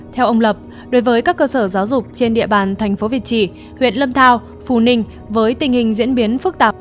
theo ông lập đối với các cơ sở giáo dục trên địa bàn thành phố việt trì huyện lâm thao phù ninh với tình hình diễn biến phức tạp